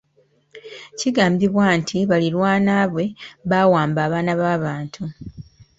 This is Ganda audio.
Kigambibwa nti baliraanwa be bawamba abaana b'abantu.